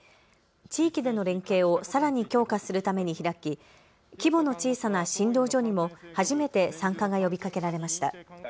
地域での連携をさらに強化するために開き、規模の小さな診療所にも初めて参加が呼びかけられました。